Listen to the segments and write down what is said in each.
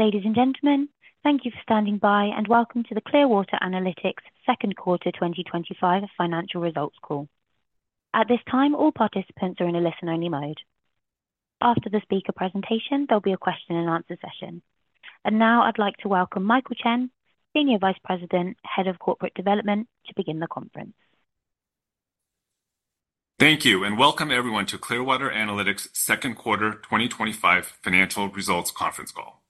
Ladies and gentlemen, thank you for standing by, and welcome to the Clearwater Analytics Second Quarter 2025 Financial Results Call. At this time, all participants are in a listen-only mode. After the speakers' presentation, there will be a question-and-answer session. I'd like to welcome Michael Chen, Senior Vice President, Head of Corporate Development to begin the conference. Thank you, and welcome everyone to Clearwater Analytics Second Quarter 2025 Financial Results Conference Call.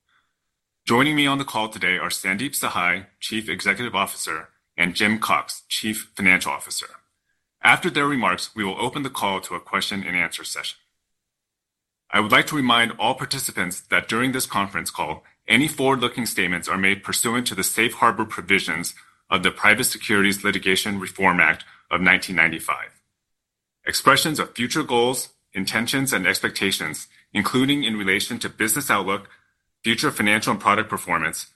Joining me on the call today are Sandeep Sahai, Chief Executive Officer, and Jim Cox, Chief Financial Officer. After their remarks, we will open the call to a question-and-answer session. I would like to remind all participants that during this conference call, any forward-looking statements are made pursuant to the Safe Harbor provisions of the Private Securities Litigation Reform Act of 1995. Expressions of future goals, intentions, and expectations, including in relation to business outlook, future financial and product performance,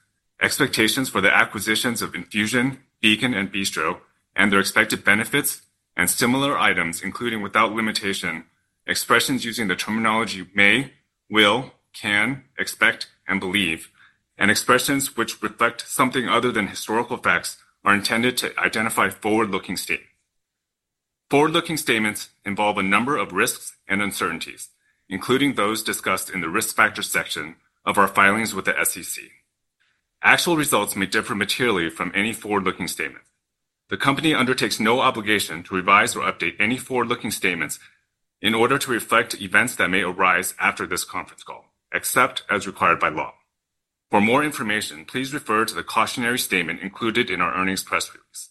expectations for the acquisitions of Enfusion, Beacon, and Bistro, and their expected benefits and similar items, including without limitation, expressions using the terminology may, will, can, expect, and believe, and expressions which reflect something other than historical facts are intended to identify forward-looking statements. Forward-looking statements involve a number of risks and uncertainties, including those discussed in the risk factor section of our filings with the SEC. Actual results may differ materially from any forward-looking statement. The company undertakes no obligation to revise or update any forward-looking statements, in order to reflect events that may arise after this conference call, except as required by law. For more information, please refer to the cautionary statement included in our earnings press release.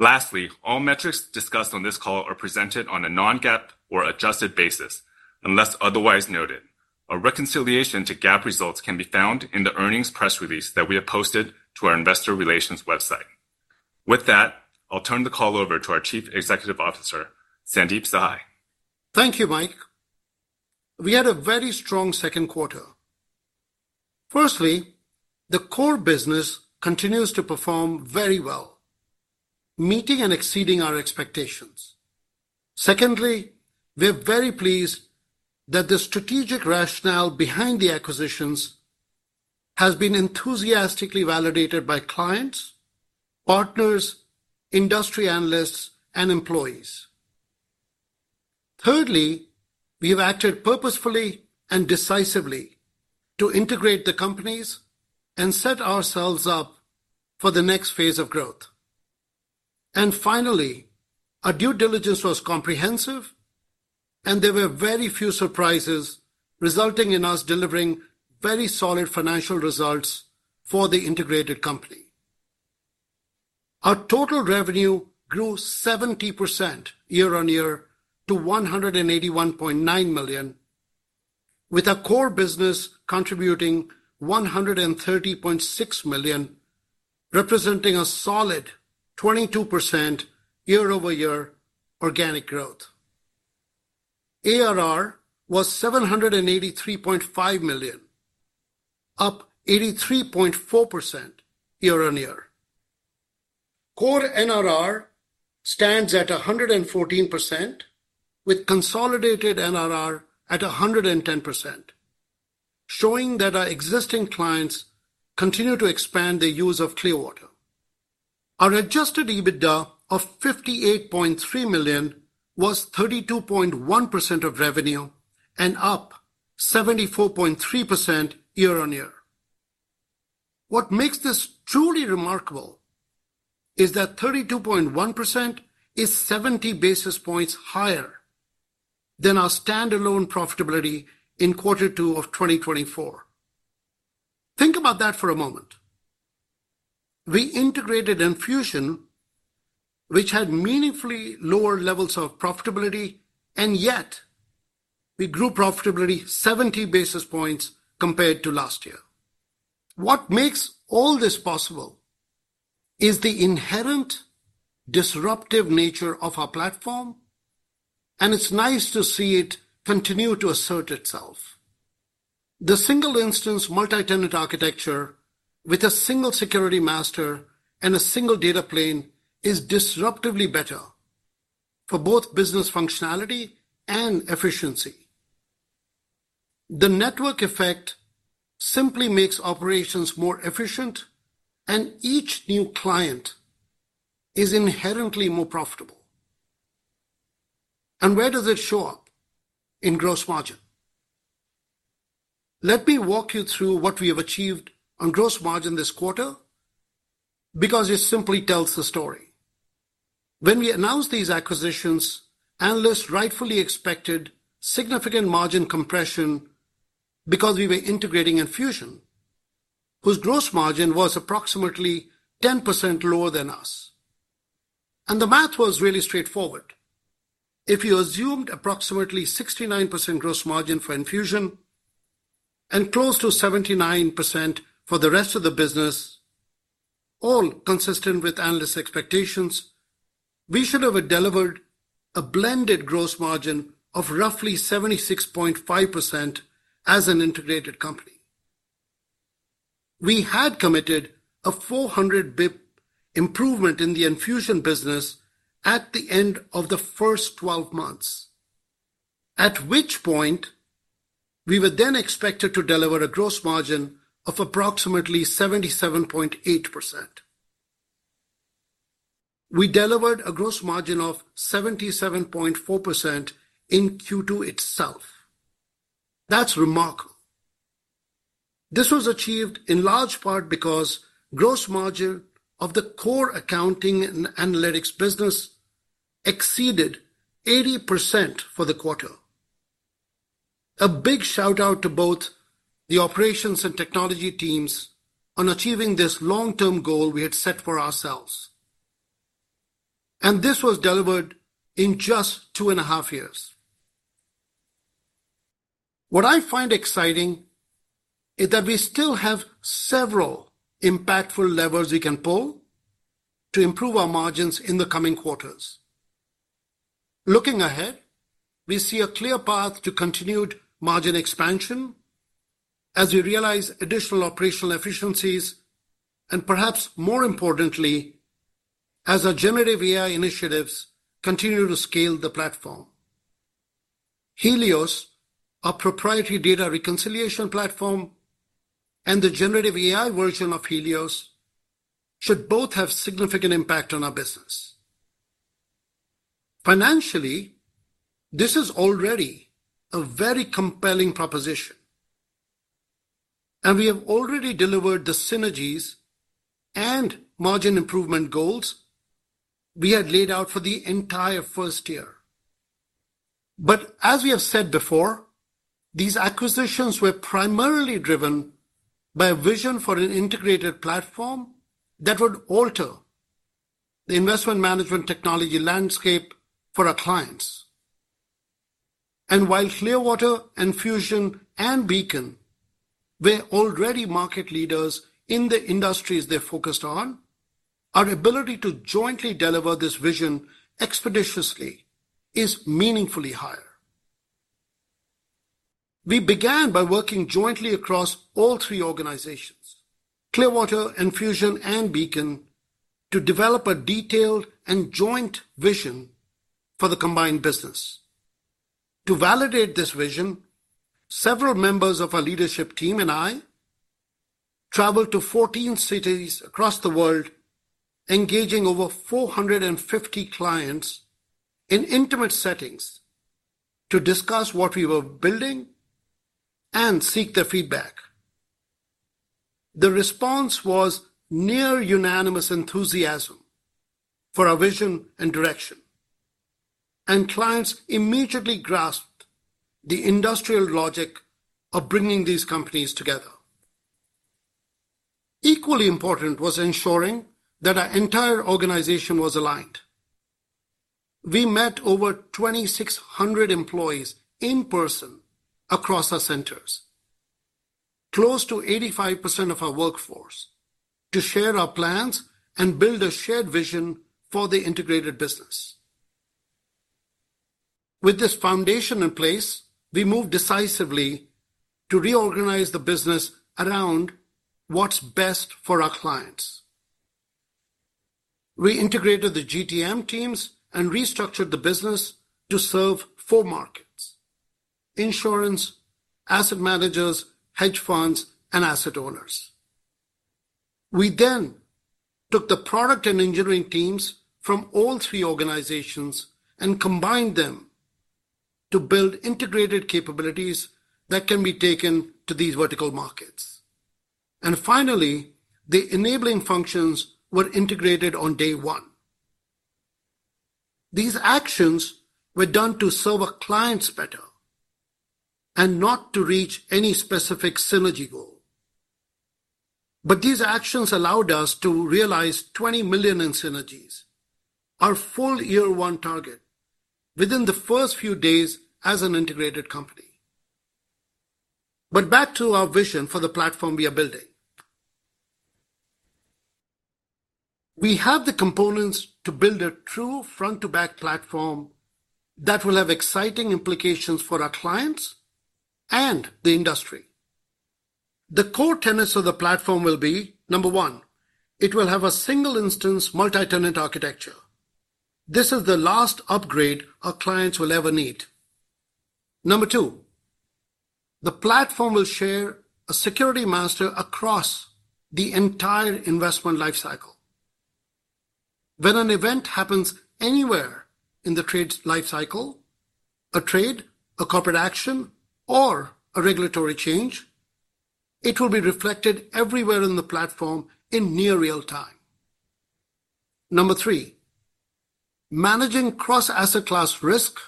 Lastly, all metrics discussed on this call are presented on a non-GAAP or adjusted basis, unless otherwise noted. A reconciliation to GAAP results can be found in the earnings press release that we have posted to our investor relations website. With that, I'll turn the call over to our Chief Executive Officer, Sandeep Sahai. Thank you, Mike. We had a very strong second quarter. Firstly, the core business continues to perform very well, meeting and exceeding our expectations. Secondly, we're very pleased that the strategic rationale behind the acquisitions has been enthusiastically validated by clients, partners, industry analysts, and employees. Thirdly, we have acted purposefully and decisively to integrate the companies, and set ourselves up for the next phase of growth. Finally, our due diligence was comprehensive, and there were very few surprises, resulting in us delivering very solid financial results for the integrated company. Our total revenue grew 70% year-on-year to $181.9 million, with our core business contributing $130.6 million, representing a solid 22% year-over-year organic growth. ARR was $783.5 million, up 83.4% year-on-year. Core NRR stands at 114%, with consolidated NRR at 110%, showing that our existing clients continue to expand their use of Clearwater. Our adjusted EBITDA of $58.3 million was 32.1% of revenue, and up 74.3% year-on-year. What makes this truly remarkable is that 32.1% is 70 basis points higher than our standalone profitability in quarter two of 2024. Think about that for a moment. We integrated Enfusion, which had meaningfully lower levels of profitability, and yet we grew profitability 70 basis points compared to last year. What makes all this possible is the inherent disruptive nature of our platform, and it's nice to see it continue to assert itself. The single-instance multi-tenant architecture with a single security master and a single data plane, is disruptively better for both business functionality and efficiency. The network effect simply makes operations more efficient, and each new client is inherently more profitable. Where does it show up? In gross margin. Let me walk you through what we have achieved on gross margin this quarter because it simply tells the story. When we announced these acquisitions, analysts rightfully expected significant margin compression because we were integrating Enfusion, whose gross margin was approximately 10% lower than us. The math was really straightforward. If you assumed approximately 69% gross margin for Enfusion and close to 79% for the rest of the business, all consistent with analyst expectations, we should have delivered a blended gross margin of roughly 76.5% as an integrated company. We had committed a 400 bp improvement in the Enfusion business at the end of the first 12 months, at which point we were then expected to deliver a gross margin of approximately 77.8%. We delivered a gross margin of 77.4% in Q2 itself. That's remarkable. This was achieved in large part because gross margin of the core accounting and analytics business exceeded 80% for the quarter. A big shout out to both the operations and technology teams on achieving this long-term goal we had set for ourselves. This was delivered in just two and a half years. What I find exciting is that we still have several impactful levers we can pull to improve our margins in the coming quarters. Looking ahead, we see a clear path to continued margin expansion as we realize additional operational efficiencies and perhaps more importantly, as our generative AI initiatives continue to scale the platform. Helios, our proprietary data reconciliation platform, and the generative AI version of Helios should both have significant impact on our business. Financially, this is already a very compelling proposition. We have already delivered the synergies and margin improvement goals we had laid out for the entire first year. As we have said before, these acquisitions were primarily driven by a vision for an integrated platform that would alter the investment management technology landscape for our clients. While Clearwater, Enfusion, and Beacon were already market leaders in the industries they focused on, our ability to jointly deliver this vision expeditiously is meaningfully higher. We began by working jointly across all three organizations, Clearwater, Enfusion, and Beacon, to develop a detailed and joint vision for the combined business. To validate this vision, several members of our leadership team and I traveled to 14 cities across the world, engaging over 450 clients in intimate settings to discuss what we were building and seek their feedback. The response was near-unanimous enthusiasm for our vision and direction, and clients immediately grasped the industrial logic of bringing these companies together. Equally important was ensuring that our entire organization was aligned. We met over 2,600 employees in person across our centers, close to 85% of our workforce, to share our plans and build a shared vision for the integrated business. With this foundation in place, we moved decisively to re-organize the business around what's best for our clients. We integrated the GTM teams and restructured the business to serve four markets, insurance, asset managers, hedge funds, and asset owners. We then took the product and engineering teams from all three organizations, and combined them to build integrated capabilities that can be taken to these vertical markets. Finally, the enabling functions were integrated on day one. These actions were done to serve our clients better, and not to reach any specific synergy goal. These actions allowed us to realize $20 million in synergies, our full year-one target, within the first few days as an integrated company. Back to our vision for the platform we are building. We have the components to build a true front-to-back platform that will have exciting implications for our clients and the industry. The core tenets of the platform will be, number one, it will have a single-instance, multi-tenant architecture. This is the last upgrade our clients will ever need. Number two, the platform will share a security master across the entire investment lifecycle. When an event happens anywhere in the trade's lifecycle, a trade, a corporate action or a regulatory change, it will be reflected everywhere in the platform in near real time. Number three, managing cross-asset class risk,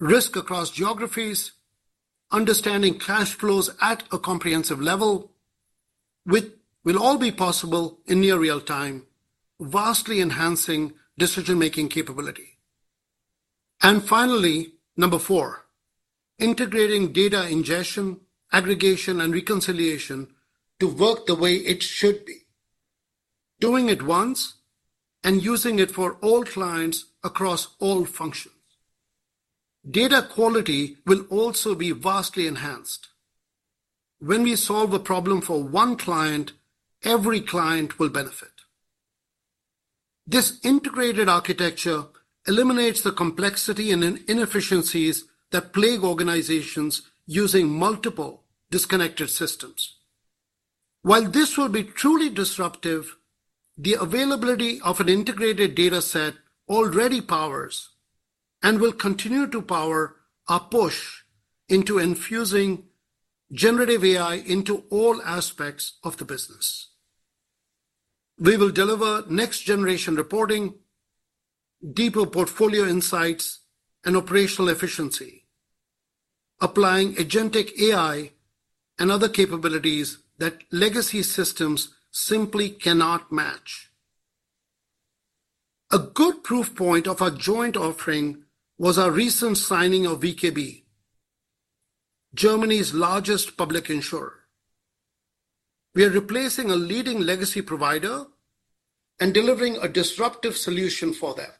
risk across geographies, understanding cash flows at a comprehensive level, will all be possible in near real time, vastly enhancing decision-making capability. Finally, number four, integrating data ingestion, aggregation, and reconciliation to work the way it should be, doing it once and using it for all clients across all functions. Data quality will also be vastly enhanced. When we solve a problem for one client, every client will benefit. This integrated architecture eliminates the complexity and inefficiencies that plague organizations using multiple disconnected systems. While this will be truly disruptive, the availability of an integrated data set already powers and will continue to power our push into infusing generative AI into all aspects of the business. We will deliver next-generation reporting, deeper portfolio insights, and operational efficiency, applying agentic AI and other capabilities that legacy systems simply cannot match. A good proof point of our joint offering was our recent signing of VKB, Germany's largest public insurer. We are replacing a leading legacy provider, and delivering a disruptive solution for them.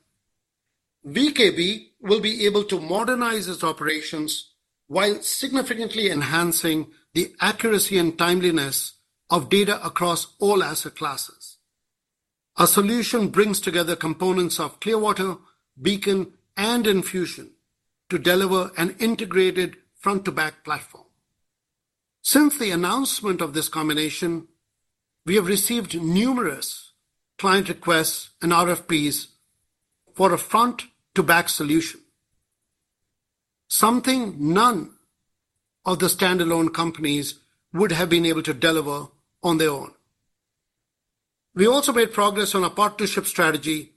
VKB will be able to modernize its operations, while significantly enhancing the accuracy and timeliness of data across all asset classes. Our solution brings together components of Clearwater, Beacon, and Enfusion, to deliver an integrated front-to-back platform. Since the announcement of this combination, we have received numerous client requests and RFPs for a front-to-back solution, something none of the standalone companies would have been able to deliver on their own. We also made progress on our partnership strategy,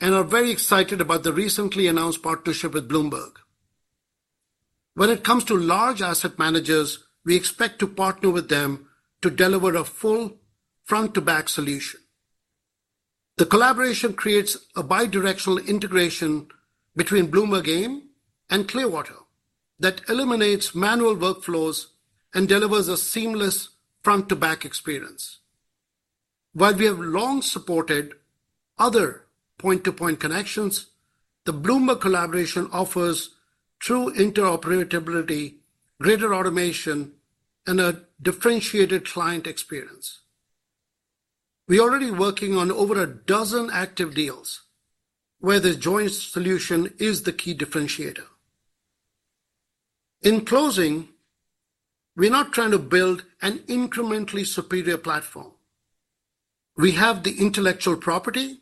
and are very excited about the recently announced partnership with Bloomberg. When it comes to large asset managers, we expect to partner with them to deliver a full front-to-back solution. The collaboration creates a bi-directional integration between Bloomberg AIM and Clearwater, that eliminates manual workflows and delivers a seamless front-to-back experience. While we have long supported other point-to-point connections, the Bloomberg collaboration offers, through interoperability, greater automation and a differentiated client experience. We are already working on over a dozen active deals, where the joint solution is the key differentiator. In closing, we're not trying to build an incrementally superior platform. We have the intellectual property,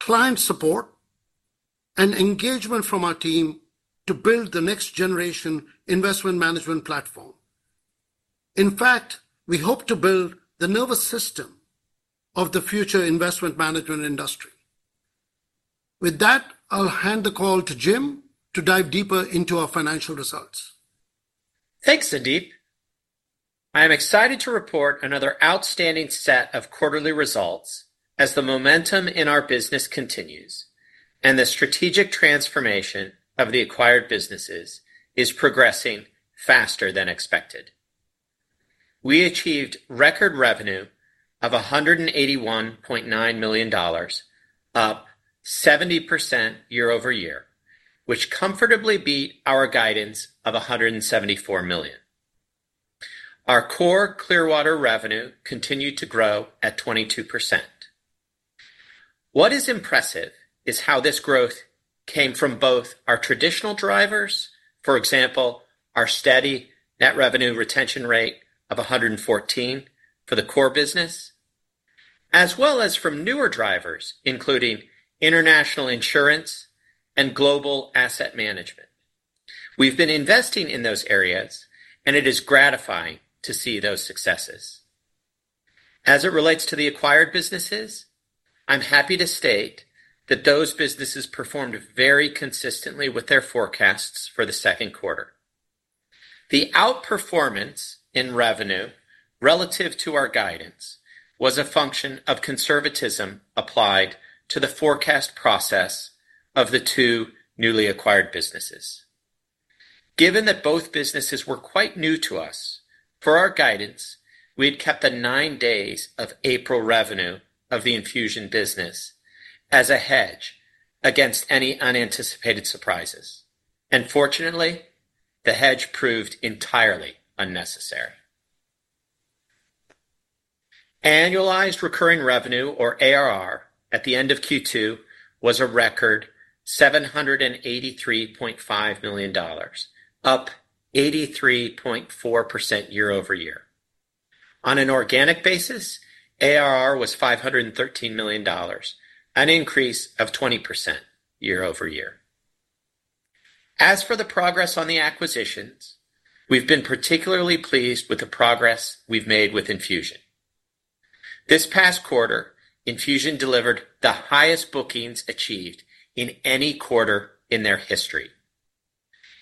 client support, and engagement from our team to build the next-generation investment management platform. In fact, we hope to build the nervous system of the future investment management industry. With that, I'll hand the call to Jim to dive deeper into our financial results. Thanks, Sandeep. I am excited to report another outstanding set of quarterly results as the momentum in our business continues, and the strategic transformation of the acquired businesses is progressing faster than expected. We achieved record revenue of $181.9 million, up 70% year-over-year, which comfortably beat our guidance of $174 million. Our core Clearwater revenue continued to grow at 22%. What is impressive is how this growth came from both our traditional drivers, for example, our steady net revenue retention rate of 114% for the core business, as well as from newer drivers, including international insurance and global asset management. We've been investing in those areas, and it is gratifying to see those successes. As it relates to the acquired businesses, I'm happy to state that those businesses performed very consistently with their forecasts for the second quarter. The outperformance in revenue relative to our guidance was a function of conservatism applied to the forecast process of the two newly acquired businesses. Given that both businesses were quite new to us, for our guidance, we had kept the nine days of April revenue of the Enfusion business as a hedge against any unanticipated surprises. Fortunately, the hedge proved entirely unnecessary. Annualized recurring revenue or ARR at the end of Q2 was a record $783.5 million, up 83.4% year-over-year. On an organic basis, ARR was $513 million, an increase of 20% year-over-year. As for the progress on the acquisitions, we've been particularly pleased with the progress we've made with Enfusion. This past quarter, Enfusion delivered the highest bookings achieved in any quarter in their history,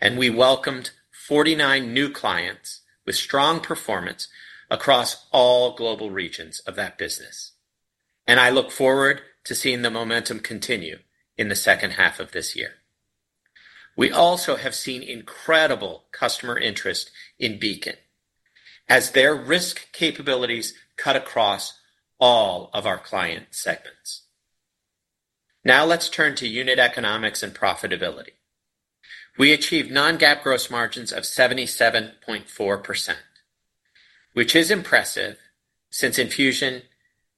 and we welcomed 49 new clients with strong performance across all global regions of that business. I look forward to seeing the momentum continue in the second half of this year. We also have seen incredible customer interest in Beacon, as their risk capabilities cut across all of our client segments. Now let's turn to unit economics and profitability. We achieved non-GAAP gross margins of 77.4%, which is impressive, since Enfusion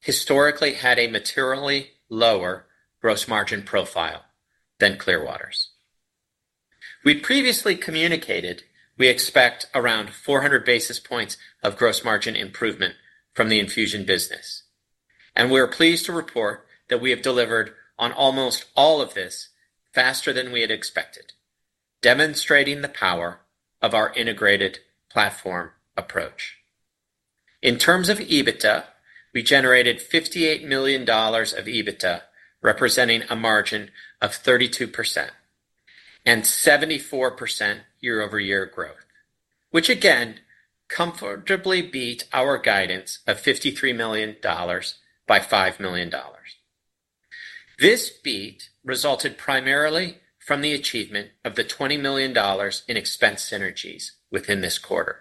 historically had a materially lower gross margin profile than Clearwaters. We'd previously communicated, we expect around 400 basis points of gross margin improvement from the Enfusion business, and we're pleased to report that we've delivered on almost all of this faster than we had expected, demonstrating the power of our integrated platform approach. In terms of EBITDA, we generated $58 million of EBITDA, representing a margin of 32% and 74% year-over-year growth, which again comfortably beat our guidance of $53 million by $5 million. This beat resulted primarily from the achievement of the $20 million in expense synergies within this quarter.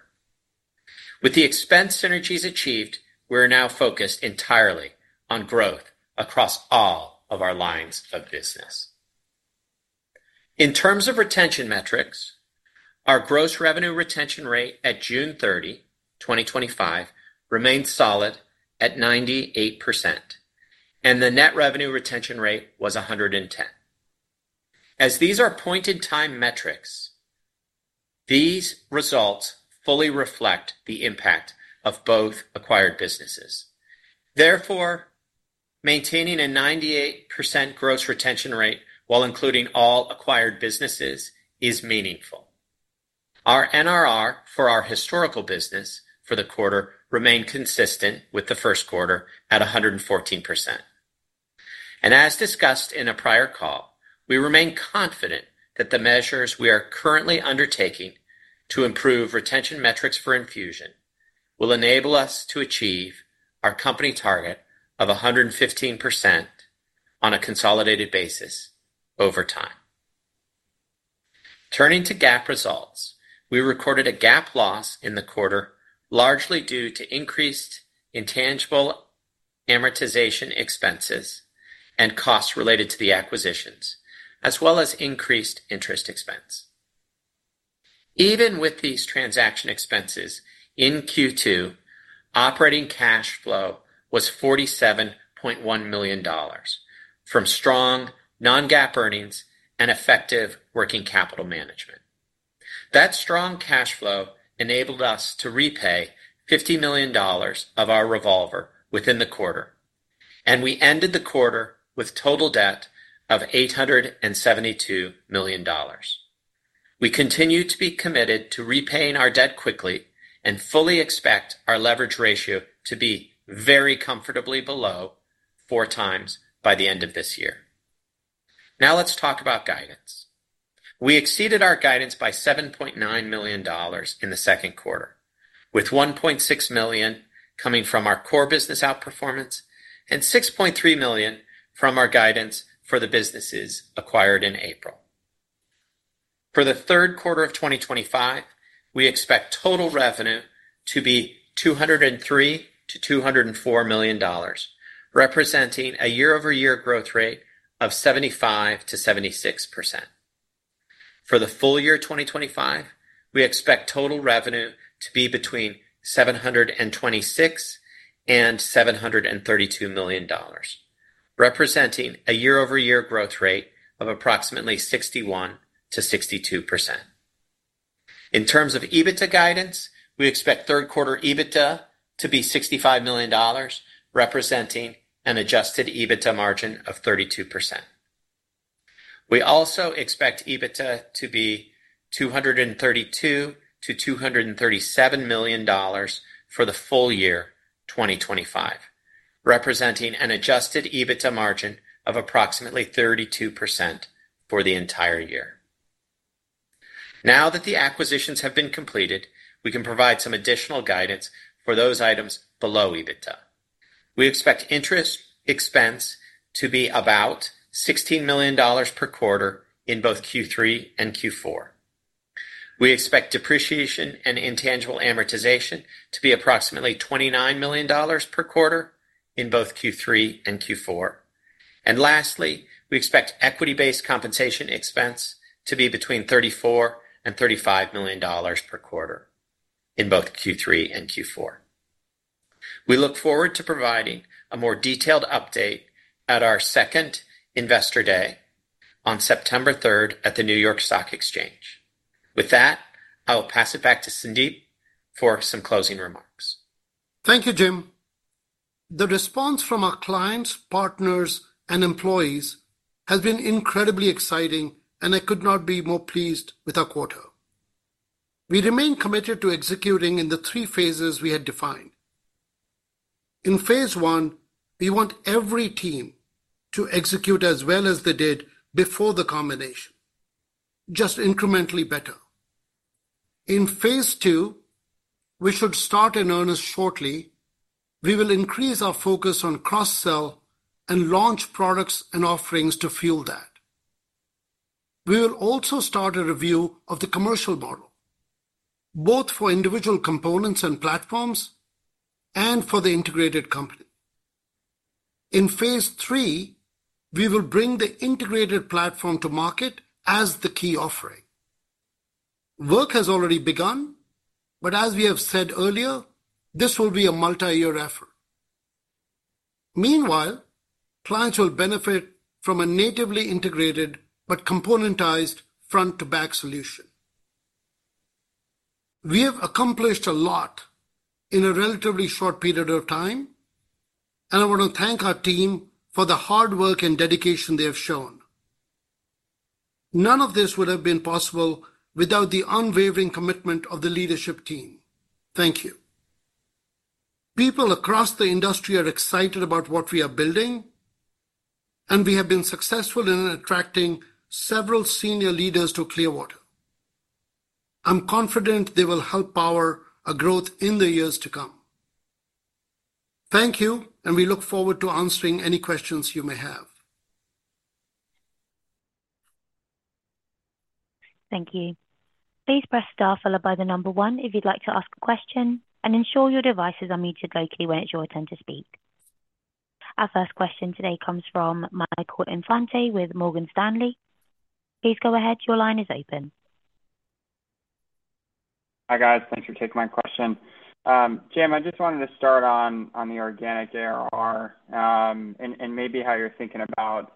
With the expense synergies achieved, we're now focused entirely on growth across all of our lines of business. In terms of retention metrics, our gross revenue retention rate at June 30, 2025, remains solid at 98% and the net revenue retention rate was 110%. As these are point-in-time metrics, these results fully reflect the impact of both acquired businesses. Therefore, maintaining a 98% gross retention rate while including all acquired businesses is meaningful. Our NRR for our historical business for the quarter remained consistent with the first quarter at 114%. As discussed in a prior call, we remain confident that the measures we are currently undertaking to improve retention metrics for Enfusion, will enable us to achieve our company target of 115% on a consolidated basis over time. Turning to GAAP results, we recorded a GAAP loss in the quarter, largely due to increased intangible amortization expenses and costs related to the acquisitions, as well as increased interest expense. Even with these transaction expenses, in Q2, operating cash flow was $47.1 million, from strong non-GAAP earnings and effective working capital management. That strong cash flow enabled us to repay $50 million of our revolver within the quarter, and we ended the quarter with total debt of $872 million. We continue to be committed to repaying our debt quickly, and fully expect our leverage ratio to be very comfortably below 4x by the end of this year. Now let's talk about guidance. We exceeded our guidance by $7.9 million in the second quarter, with $1.6 million coming from our core business outperformance and $6.3 million from our guidance for the businesses acquired in April. For the third quarter of 2025, we expect total revenue to be $203 million-$204 million, representing a year-over-year growth rate of 75%-76%. For the full year 2025, we expect total revenue to be between $726 and $732 million, representing a year-over-year growth rate of approximately 61%-62%. In terms of EBITDA guidance, we expect third-quarter EBITDA to be $65 million, representing an adjusted EBITDA margin of 32%. We also expect EBITDA to be $232 million-$237 million for the full year 2025, representing an adjusted EBITDA margin of approximately 32% for the entire year. Now that the acquisitions have been completed, we can provide some additional guidance for those items below EBITDA. We expect interest expense to be about $16 million per quarter in both Q3 and Q4. We expect depreciation and intangible amortization to be approximately $29 million per quarter in both Q3 and Q4. Lastly, we expect equity-based compensation expense to be between $34 and $35 million per quarter in both Q3 and Q4. We look forward to providing a more detailed update at our second Investor Day on September 3rd, at the New York Stock Exchange. With that, I will pass it back to Sandeep for some closing remarks. Thank you, Jim. The response from our clients, partners, and employees has been incredibly exciting, and I could not be more pleased with our quarter. We remain committed to executing in the three phases we had defined. In phase I, we want every team to execute as well as they did before the combination, just incrementally better. In phase II, we should start in earnest shortly. We will increase our focus on cross-sell and launch products and offerings to fuel that. We will also start a review of the commercial model, both for individual components and platforms and for the integrated company. In phase III, we will bring the integrated platform to market as the key offering. Work has already begun, but as we have said earlier, this will be a multi-year effort. Meanwhile, clients will benefit from a natively integrated, but componentized front-to-back solution. We have accomplished a lot in a relatively short period of time, and I want to thank our team for the hard work and dedication they have shown. None of this would have been possible without the unwavering commitment of the leadership team. Thank you. People across the industry are excited about what we are building, and we have been successful in attracting several senior leaders to Clearwater. I'm confident they will help power our growth in the years to come. Thank you, and we look forward to answering any questions you may have. Thank you. Please press star followed by the number one if you'd like to ask a question, and ensure your devices are muted locally when it's your turn to speak. Our first question today comes from Michael Infante with Morgan Stanley. Please go ahead, your line is open. Hi guys, thanks for taking my question. Jim, I just wanted to start on the organic ARR and maybe how you're thinking about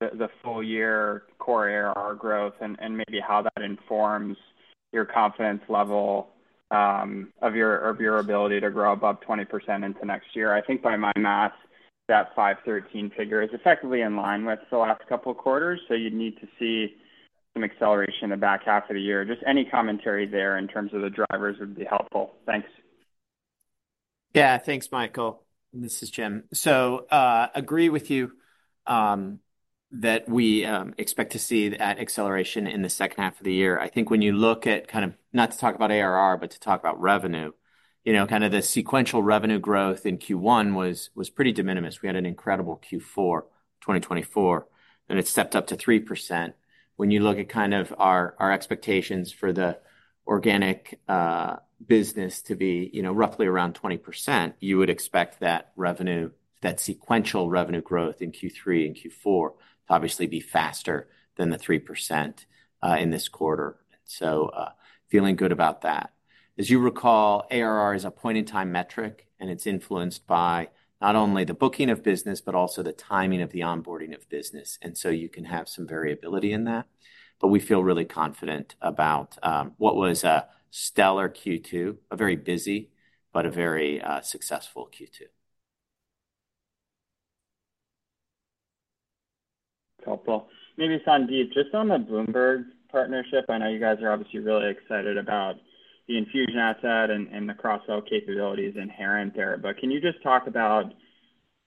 the full year core ARR growth, and maybe how that informs your confidence level of your ability to grow above 20% into next year. I think by my math, that $513 million figure is effectively in line with the last couple of quarters, so you'd need to see some acceleration in the back half of the year. Just any commentary there in terms of the drivers would be helpful. Thanks. Yeah. Thanks, Michael. This is Jim. I agree with you that we expect to see that acceleration in the second half of the year. I think when you look at kind of, not to talk about ARR, but to talk about revenue, you know, the sequential revenue growth in Q1 was pretty de minimis. We had an incredible Q4 2024, and it stepped up to 3%. When you look at kind of our expectations for the organic business to be roughly around 20%, you would expect that sequential revenue growth in Q3 and Q4 to obviously be faster than the 3% in this quarter and so feeling good about that. As you recall, ARR is a point-in-time metric, and it's influenced by not only the booking of business, but also the timing of the onboarding of business. You can have some variability in that. We feel really confident about what was a stellar Q2, a very busy, but a very successful Q2. That's helpful. Maybe Sandeep, just on the Bloomberg partnership, I know you guys are obviously really excited about the Enfusion asset and the cross-sell capabilities inherent there. Can you just talk about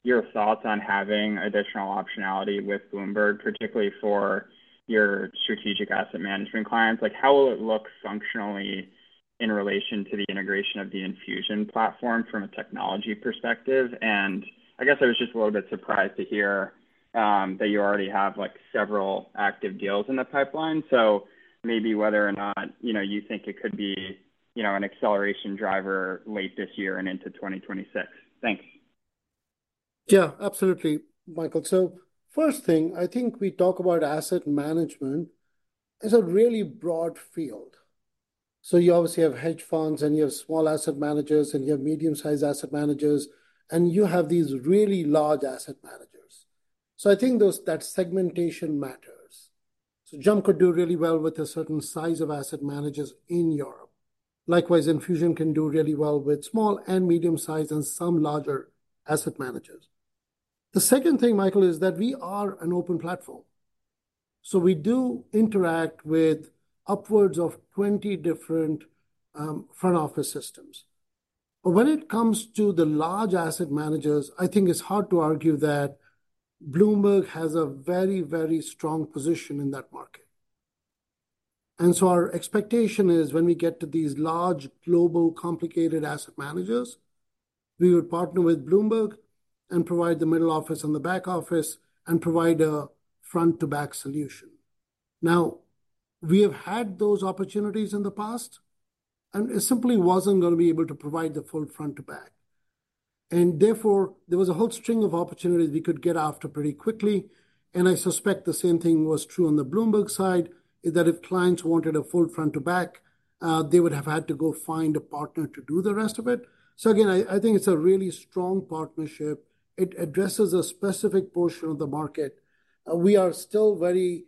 your thoughts on having additional optionality with Bloomberg, particularly for your strategic asset management clients? How will it look functionally in relation to the integration of the Enfusion platform from a technology perspective? I guess I was just a little bit surprised to hear that you already have several active deals in the pipeline. Maybe whether or not you think it could be an acceleration driver late this year and into 2026. Thanks. Yeah. Absolutely, Michael. First thing, I think we talk about asset management. It's a really broad field. You obviously have hedge funds, and you have small asset managers and you have medium-sized asset managers, and you have these really large asset managers. I think that segmentation matters. [Jim] could do really well with a certain size of asset managers in Europe. Likewise, Infusion can do really well with small and medium-sized and some larger asset managers. The second thing, Michael, is that we are an open platform. We do interact with upwards of 20 different front office systems. When it comes to the large asset managers, I think it's hard to argue that Bloomberg has a very, very strong position in that market. Our expectation is, when we get to these large global complicated asset managers, we would partner with Bloomberg and provide the middle office and the back office, and provide a front-to-back solution. Now, we have had those opportunities in the past, and it simply wasn't going to be able to provide the full front-to-back. Therefore, there was a whole string of opportunities we could get after pretty quickly. I suspect the same thing was true on the Bloomberg side, that if clients wanted a full front-to-back, they would have had to go find a partner to do the rest of it. Again, I think it's a really strong partnership. It addresses a specific portion of the market. We are still very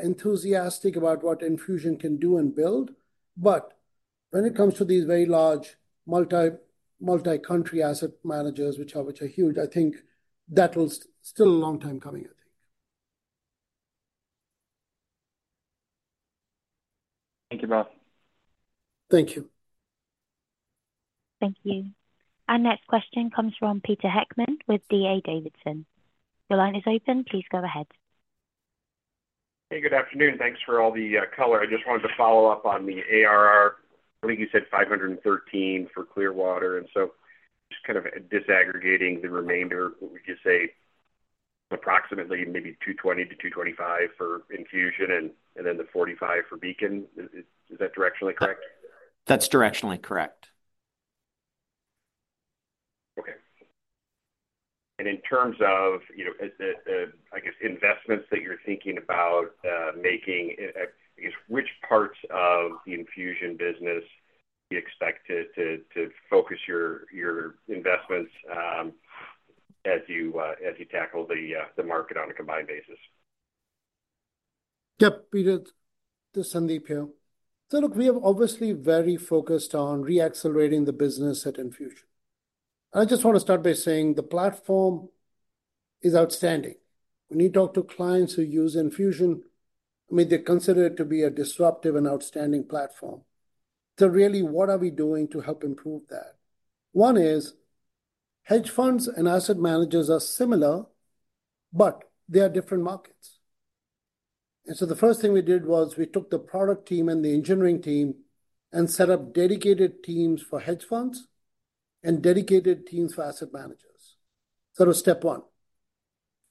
enthusiastic about what Enfusion can do and build. When it comes to these very large multi-country asset managers, which are huge, I think that was still a long time coming. Thank you, both. Thank you. Thank you. Our next question comes from Peter Heckmann with D.A. Davidson. Your line is open. Please go ahead Hey, good afternoon. Thanks for all the color. I just wanted to follow up on the ARR. I think you said $513 million for Clearwater. Just kind of disaggregating the remainder of what would you say, approximately maybe $220 million-$225 million for Enfusion and then the $45 million for Beacon. Is that directionally correct? That's directionally correct. Okay. In terms of investments that you're thinking about making, which parts of the Enfusion business do you expect to focus your investments as you tackle the market on a combined basis? Yeah. Peter, this is Sandeep here. Look, we're obviously very focused on reaccelerating the business at Enfusion. I just want to start by saying the platform is outstanding. When you talk to clients who use Enfusion, they consider it to be a disruptive and outstanding platform. Really, what are we doing to help improve that? One is, hedge funds and asset managers are similar, but they are different markets. The first thing we did was we took the product team and the engineering team, and set up dedicated teams for hedge funds and dedicated teams for asset managers. That was step one.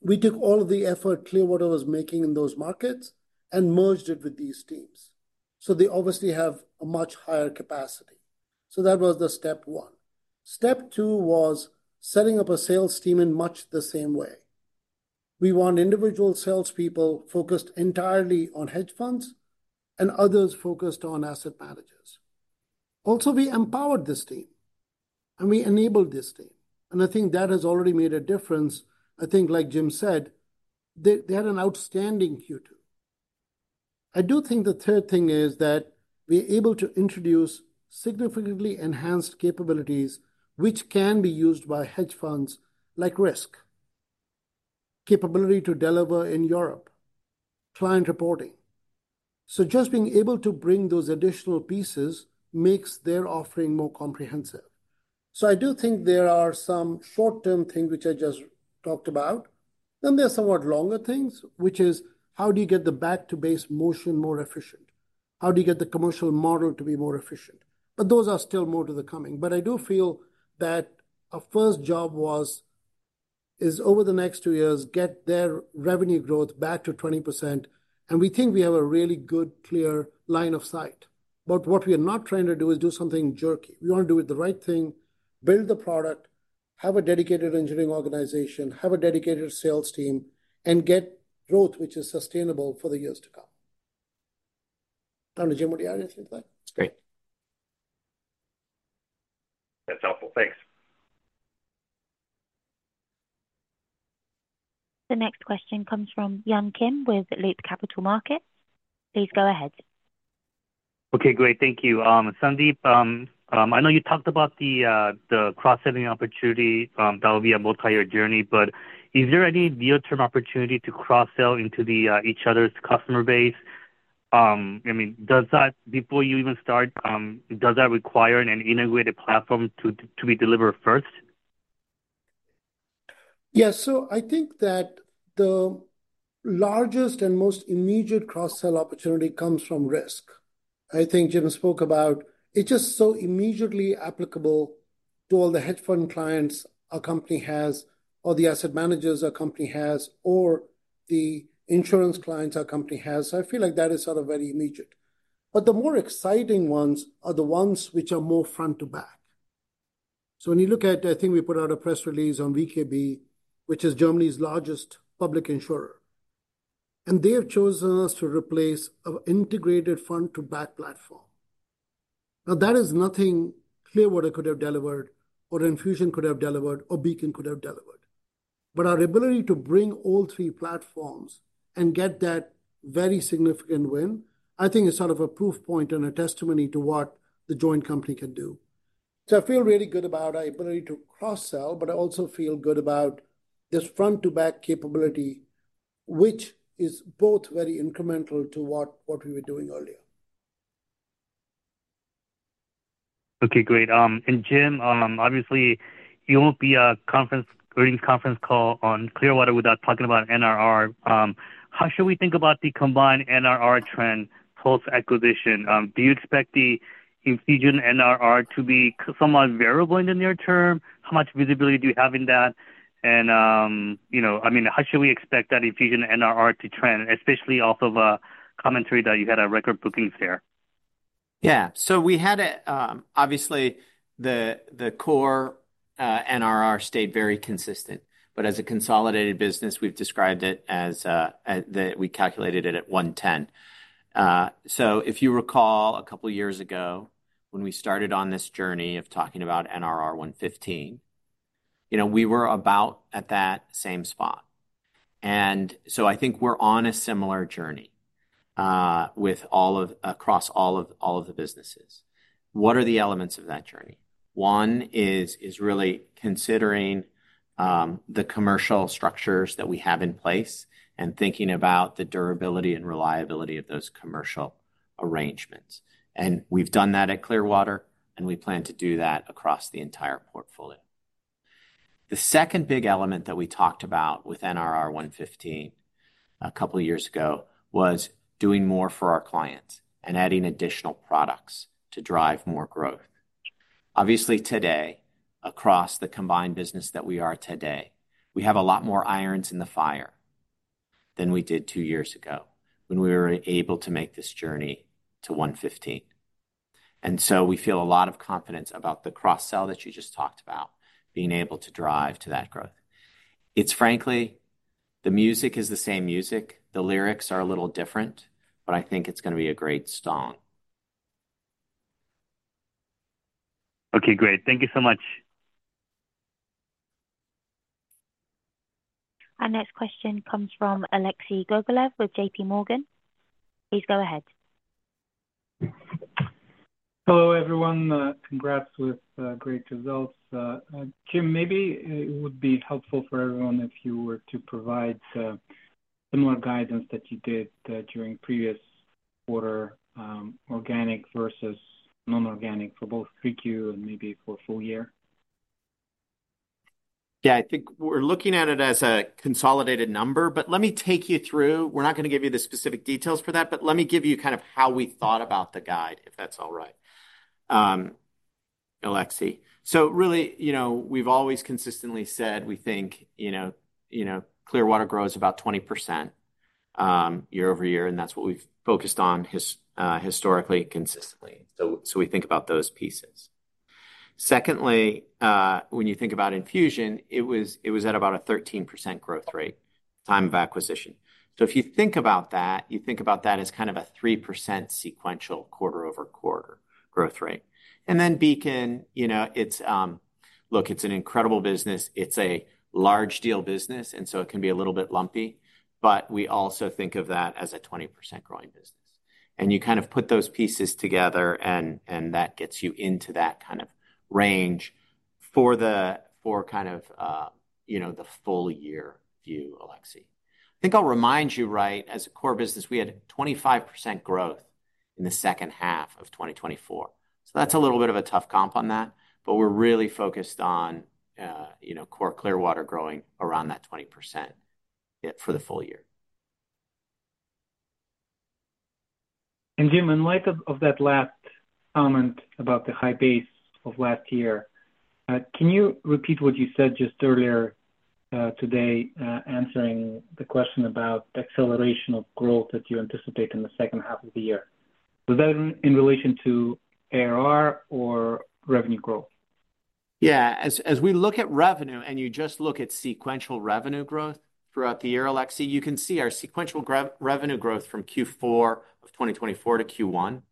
We took all of the effort Clearwater was making in those markets and merged it with these teams. They obviously have a much higher capacity. That was the step one. Step two was setting up a sales team in much the same way. We want individual salespeople focused entirely on hedge funds, and others focused on asset managers. Also, we empowered this team, and we enabled this team. I think that has already made a difference. I think like Jim said, they had an outstanding Q2. I do think the third thing is that we're able to introduce significantly enhanced capabilities which can be used by hedge funds like risk, capability to deliver in Europe, client reporting. Just being able to bring those additional pieces makes their offering more comprehensive. I do think there are some short-term things which I just talked about, and there are somewhat longer things, which is, how do you get the back-to-base motion more efficient? How do you get the commercial model to be more efficient? Those are still more to the coming. I do feel that our first job is over the next two years, to get their revenue growth back to 20%. We think we have a really good, clear line of sight. What we are not trying to do is do something jerky. We want to do the right thing, build the product, have a dedicated engineering organization, have a dedicated sales team and get growth which is sustainable for the years to come. I don't know, Jim, [what do you have to say to that]? Great. That's helpful. Thanks. The next question comes from Yun Kim with Loop Capital Markets. Please go ahead. Okay, great. Thank you. Sandeep, I know you talked about the cross-selling opportunity that will be a multi-year journey, but is there any near-term opportunity to cross-sell into each other's customer base? I mean, before you even start, does that require an integrated platform to be delivered first? Yeah, I think that the largest and most immediate cross-sell opportunity comes from risk. I think Jim spoke about, it's just so immediately applicable to all the hedge fund clients our company has or the asset managers our company has, or the insurance clients our company has. I feel like that is sort of very immediate. The more exciting ones are the ones which are more front-to-back. I think we put out a press release on VKB, which is Germany's largest public insurer and they have chosen us to replace an integrated front-to-back platform. That is nothing Clearwater could have delivere or Enfusion could have delivered, or Beacon could have delivered. Our ability to bring all three platforms and get that very significant win, I think is sort of a proof point and a testimony to what the joint company can do. I feel really good about our ability to cross-sell, but I also feel good about this front-to-back capability, which is both very incremental to what we were doing earlier. Okay, great. Jim, obviously, you wouldn't be in this conference call on Clearwater without talking about NRR. How should we think about the combined NRR trend post-acquisition? Do you expect the Enfusion NRR to be somewhat variable in the near term? How much visibility do you have in that? I mean, how should we expect that Enfusion NRR to trend, especially off of a commentary that you had a record bookings there? Yeah, so obviously the core NRR stayed very consistent. As a consolidated business, we've described it as, that we calculated it at 110%. If you recall a couple of years ago, when we started on this journey of talking about NRR 115%, you know, we were about at that same spot. I think we're on a similar journey across all of the businesses. What are the elements of that journey? One is really considering the commercial structures that we have in place, and thinking about the durability and reliability of those commercial arrangements. We've done that at Clearwater, and we plan to do that across the entire portfolio. The second big element that we talked about with NRR 115% a couple of years ago, was doing more for our clients and adding additional products to drive more growth. Obviously, today across the combined business that we are today, we have a lot more irons in the fire than we did two years ago when we were able to make this journey to 115%. We feel a lot of confidence about the cross-sell that you just talked about, being able to drive to that growth. It's frankly, the music is the same music. The lyrics are a little different, but I think it's going to be a great song. Okay, great. Thank you so much. Our next question comes from Alexei Gogolev with JPMorgan. Please go ahead. Hello, everyone. Congrats with great results. Jim, maybe it would be helpful for everyone if you were to provide similar guidance that you did during the theprevious quarter, organic versus non-organic for both 3Q and maybe for a full year. Yeah. I think we're looking at it as a consolidated number, but let me take you through. We're not going to give you the specific details for that, but let me give you kind of how we thought about the guide, if that's all right, Alexei. Really, you know, we've always consistently said we think, you know, Clearwater grows about 20% year-over-year, and that's what we've focused on historically consistently, so we think about those pieces. Secondly, when you think about Enfusion, it was at about a 13% growth rate at the time of acquisition. Now, if you think about that, you think about that as kind of a 3% sequential quarter-over-quarter growth rate. Beacon, you know, look, it's an incredible business. It's a large deal business and so it can be a little bit lumpy, but we also think of that as a 20% growing business. You kind of put those pieces together, and that gets you into that kind of range for kind of, you know, the full year view, Alexei. I think I'll remind you, as a core business, we had 25% growth in the second half of 2024. That's a little bit of a tough comp on that, but we're really focused on core Clearwater growing around that 20% for the full year. Jim, in light of that last comment about the high [pace] of last year, can you repeat what you said just earlier today, answering the question about the acceleration of growth that you anticipate in the second half of the year? Was that in relation to ARR or revenue growth? Yeah, as we look at revenue, and you just look at sequential revenue growth throughout the year, Alexei, you can see our sequential revenue growth from Q4 of 2024 to Q1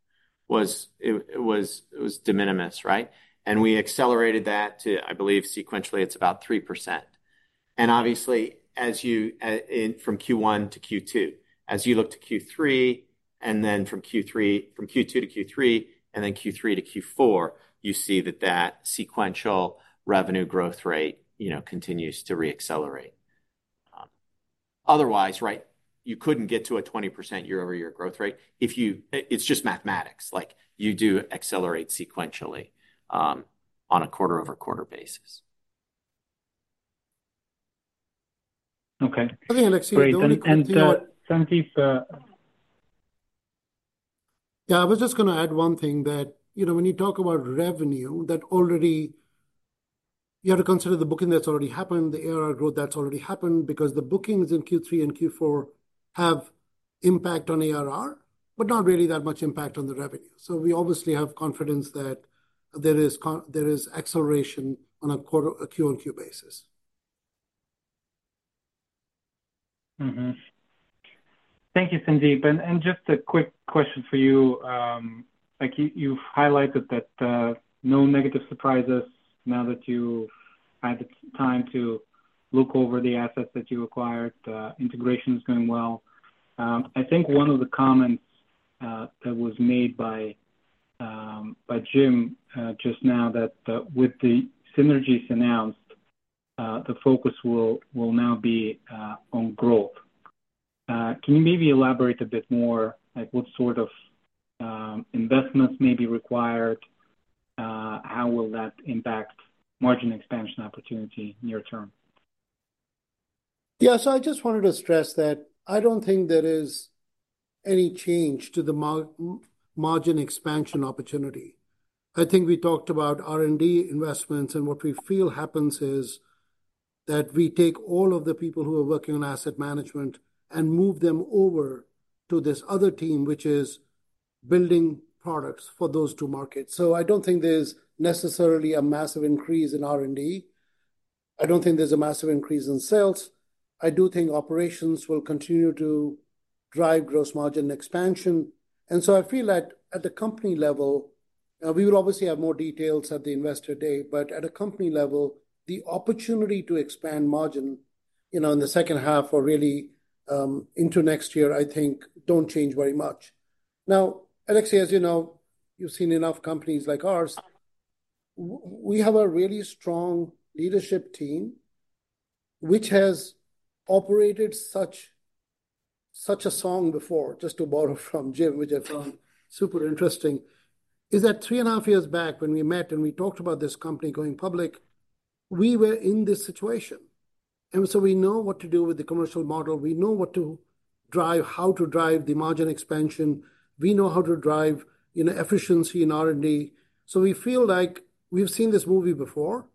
was de minimis, right? We accelerated that to, I believe sequentially, it's about 3%. Obviously, from Q1-Q2, as you look to Q3, and then from Q2-Q3, and then Q3-Q4, you see that that sequential revenue growth rate continues to reaccelerate. Otherwise, you couldn't get to a 20% year-over-year growth rate. It's just mathematics, like you do accelerate sequentially on a quarter-over-quarter basis. Okay. I think, Alexei, I was just going to add one thing, that when you talk about revenue, that you have to consider the booking that's already happened, the ARR growth that's already happened, because the bookings in Q3 and Q4 have impact on ARR, but not really that much impact on the revenue. We obviously have confidence that there is acceleration on a Q on Q basis. Thank you, Sandeep. Just a quick question for you. You've highlighted that no negative surprises now that you had the time to look over the assets that you acquired. The integration is going well. I think one of the comments that was made by Jim just now is that with the synergies announced, the focus will now be on growth. Can you maybe elaborate a bit more, like what sort of investments may be required? How will that impact margin expansion opportunity near term? Yeah, I just wanted to stress that I don't think there is any change to the margin expansion opportunity. I think we talked about R&D investments, and what we feel happens is that we take all of the people who are working on asset management and move them over to this other team, which is building products for those two markets. I don't think there's necessarily a massive increase in R&D. I don't think there's a massive increase in sales. I do think operations will continue to drive gross margin expansion. I feel like we'll obviously have more details at the Investor Day, but at a company level, the opportunity to expand margin in the second half or really into next year, I think don't change very much. Now, Alexei, as you know, you've seen enough companies like ours, we have a really strong leadership team, which has operated such a song before, just to borrow from Jim, which I found super interesting, is that three and a half years back when we met and we talked about this company going public, we were in this situation. We know what to do with the commercial model. We know what to drive, how to drive the margin expansion. We know how to drive efficiency in R&D. We feel like we've seen this movie before.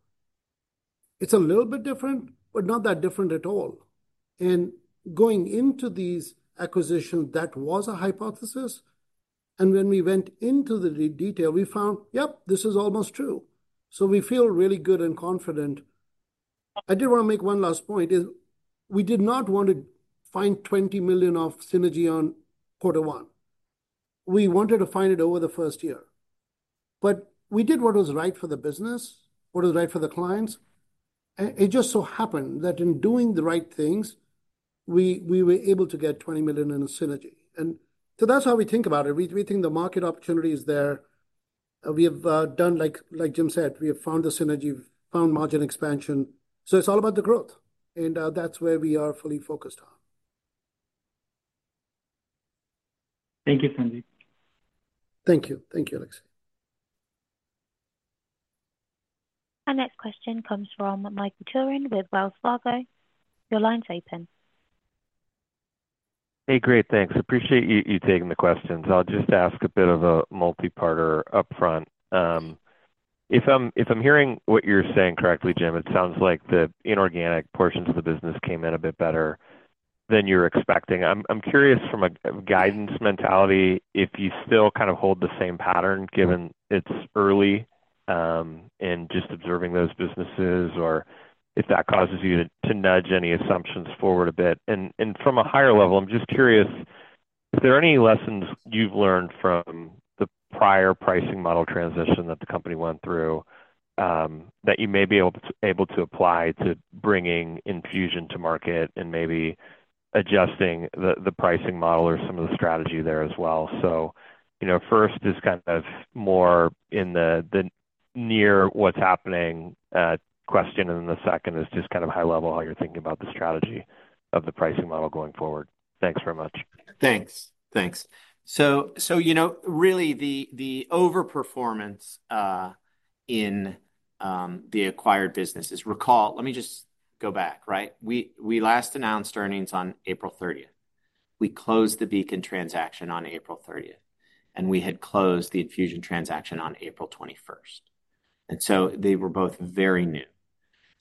It's a little bit different, but not that different at all. Going into these acquisitions, that was a hypothesis. When we went into the detail, we found, yep, this is almost true. We feel really good and confident. I did want to make one last point. We did not want to find $20 million of synergy in quarter one. We wanted to find it over the first year. We did what was right for the business, what was right for the clients. It just so happened that in doing the right things, we were able to get $20 million in synergy. That's how we think about it. We think the market opportunity is there. Like Jim said, we have found the synergy, found margin expansion, so it's all about the growth. That's where we are fully focused on. Thank you, Sandeep. Thank you. Thank you, Alexei. Our next question comes from Michael Turrin with Wells Fargo. Your line's open. Hey. Great, thanks. Appreciate you taking the questions. I'll just ask a bit of a multi-partner upfront. If I'm hearing what you're saying correctly, Jim, it sounds like the inorganic portions of the business came in a bit better than you were expecting. I'm curious from a guidance mentality, if you still kind of hold the same pattern given it's early and just observing those businesses, or if that causes you to nudge any assumptions forward a bit. From a higher level, I'm just curious if there are any lessons you've learned from the prior pricing model transition that the company went through, that you may be able to apply to bringing Enfusion to market and maybe adjusting the pricing model or some of the strategy there as well. First is kind of more in the near, what's happening question and then the second is just kind of high level, how you're thinking about the strategy of the pricing model going forward. Thanks very much. Thanks. Really, the overperformance in the acquired businesses, let me just go back, right? We last announced earnings on April 30. We closed the Beacon transaction on April 30th, and we had closed the Enfusion transaction on April 21st, and so they were both very new.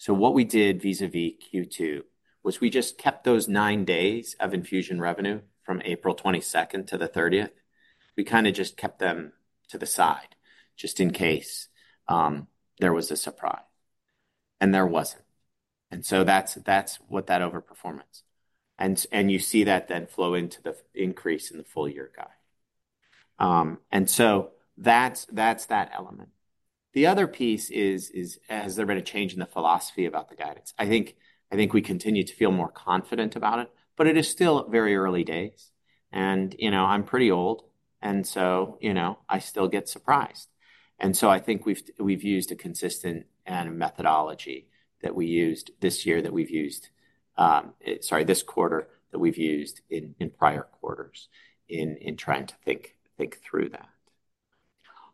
What we did vis-à-vis Q2 was we just kept those nine days of Enfusion revenue from April 22nd to the 30th. We kind of just kept them to the side, just in case there was a surprise and there wasn't. That's what that overperformance is. You see that then flow into the increase in the full year guide. That's that element. The other piece is, has there been a change in the philosophy about the guidance? I think we continue to feel more confident about it, but it is still very early days. I'm pretty old, and so I still get surprised. I think we've used a consistent methodology that we used this quarter, that we've used in prior quarters in trying to think through that.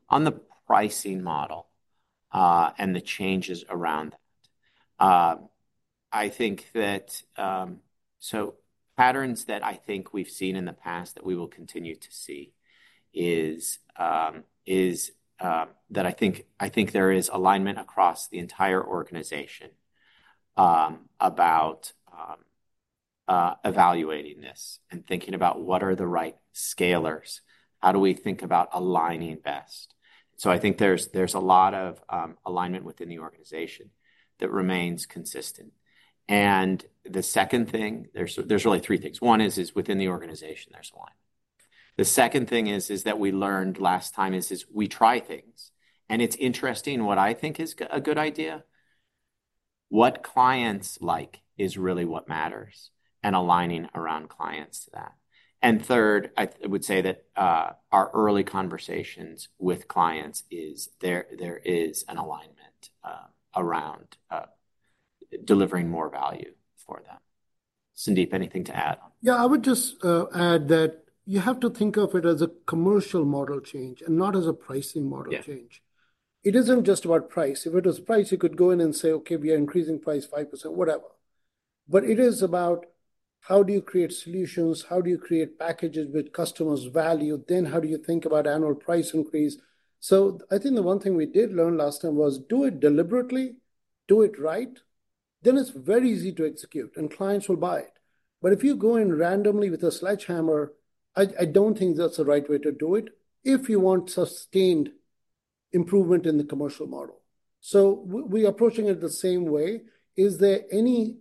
On the pricing model and the changes around, so patterns that I think we've seen in the past that we will continue to see, is that I think there is alignment across the entire organization about evaluating this and thinking about, what are the right scalers? How do we think about aligning best? I think there's a lot of alignment within the organization that remains consistent. There's really three things. One is within the organization, [there's alignment]. The second thing that we learned last time is, we try things. It's interesting what I think is a good idea. What clients like is really what matters, and aligning around clients to that. Third, I would say that our early conversations with clients is, there is an alignment around delivering more value for that. Sandeep, anything to add? Yeah, I would just add that you have to think of it as a commercial model change, and not as a pricing model change. It isn't just about price. If it was price, you could go in and say, "Okay, we are increasing price 5%, whatever." It is about, how do you create solutions? How do you create packages with customers' value? How do you think about annual price increase? I think the one thing we did learn last time was, do it deliberately, do it right, then it's very easy to execute and clients will buy it. If you go in randomly with a sledgehammer, I don't think that's the right way to do it if you want sustained improvement in the commercial model. We are approaching it the same way. Is there any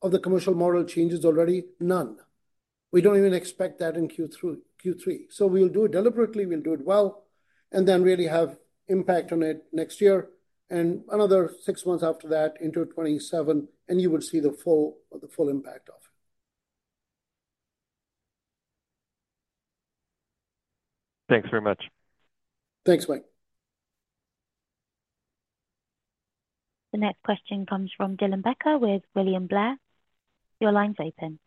of the commercial model changes already? None. We don't even expect that in Q3. We'll do it deliberately, we'll do it well, and then really have impact on it next year and another six months after that into 2027, and you will see the full impact of it. Thanks very much. Thanks, Mike. The next question comes from Dylan Becker with William Blair. Your line's open.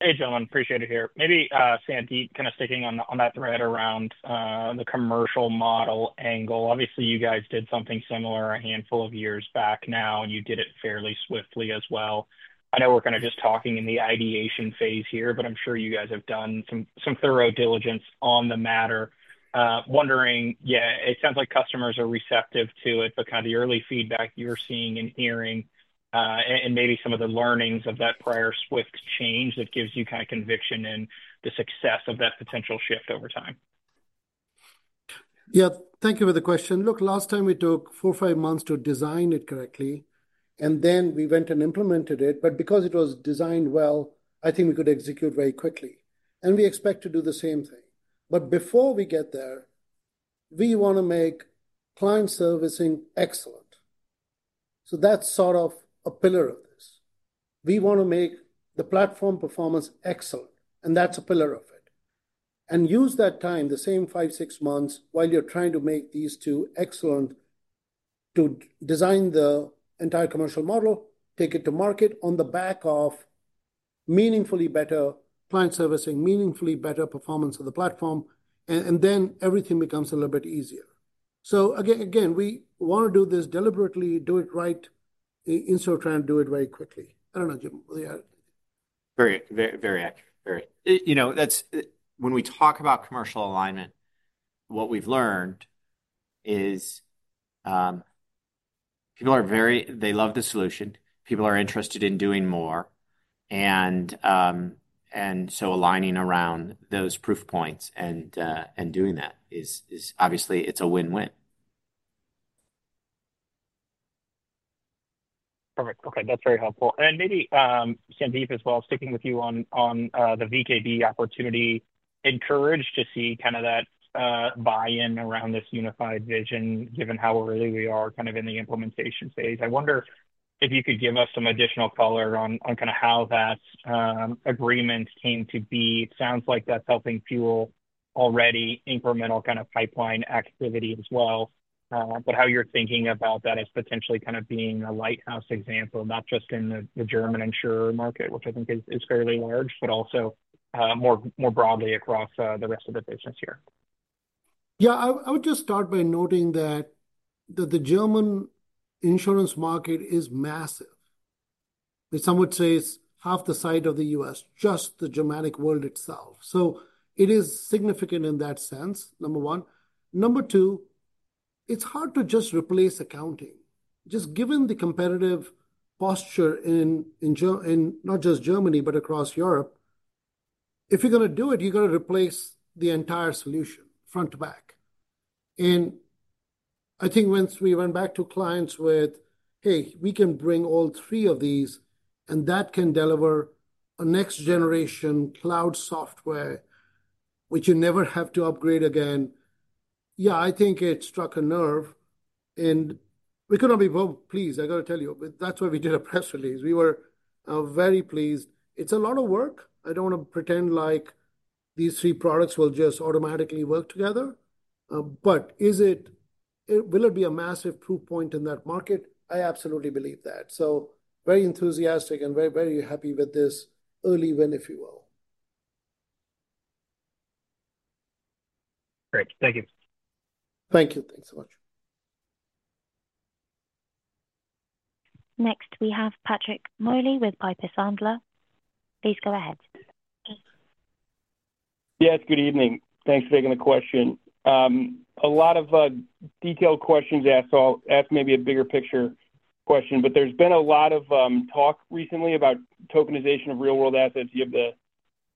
Hey, gentlemen. Appreciate it here. Maybe Sandeep, kind of sticking on that thread around the commercial model angle. Obviously, you guys did something similar a handful of years back now, and you did it fairly swiftly as well. I know we're kind of just talking in the ideation phase here, but I'm sure you guys have done some thorough diligence on the matter. Wondering, it sounds like customers are receptive to it, but kind of the early feedback you're seeing and hearing, and maybe some of the learnings of that prior swift change that gives you kind of conviction in the success of that potential shift over time. Yeah, thank you for the question. Look, last time we took four or five months to design it correctly, and then we went and implemented it, but because it was designed well, I think we could execute very quickly. We expect to do the same thing. Before we get there, we want to make client servicing excellent. That's sort of a pillar of this. We want to make the platform performance excellent, and that's a pillar of it. Use that time, the same five, six months, while you're trying to make these two excellent to design the entire commercial model, take it to market on the back of meaningfully better client servicing, meaningfully better performance of the platform, and then everything becomes a little bit easier. Again, we want to do this deliberately, do it right, instead of trying to do it very quickly. I don't know, Jim. Very accurate. When we talk about commercial alignment, what we've learned is, they love the solution, people are interested in doing more and so aligning around those proof points, and doing that, obviously it's a win-win. Perfect. Okay, that's very helpful. Maybe, Sandeep, as well, sticking with you on the VKB opportunity, encouraged to see kind of that buy-in around this unified vision, given how early we are in the implementation phase. I wonder if you could give us some additional color on how that agreement came to be. It sounds like that's helping fuel already incremental pipeline activity as well. How you're thinking about that as potentially being a lighthouse example, not just in the German insurer market, which I think is fairly large, but also more broadly across the rest of the business here. Yeah, I would just start by noting that the German insurance market is massive. Some would say it's half the size of the U.S., just the Germanic world itself. It is significant in that sense, number one. Number two, it's hard to just replace accounting. Just given the competitive posture in not just Germany, but across Europe, if you're going to do it, you've got to replace the entire solution front to back. I think once we went back to clients with, "Hey, we can bring all three of these, and that can deliver a next-generation cloud software, which you never have to upgrade again." I think it struck a nerve, and we could not be more pleased. I got to tell you, that's why we did a press release. We were very pleased. It's a lot of work. I don't want to pretend like these three products will just automatically work together. Will it be a massive proof point in that market? I absolutely believe that. Very enthusiastic and very, very happy with this early win, if you will. Great, thank you. Thank you. Thanks so much. Next, we have Patrick Moley with Piper Sandler. Please go ahead. Yes, good evening. Thanks for taking the question. A lot of detailed questions to ask, so maybe a bigger picture question, but there's been a lot of talk recently about tokenization of real-world assets. You have the